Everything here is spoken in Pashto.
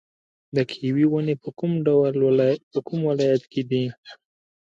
د کیوي ونې په کوم ولایت کې دي؟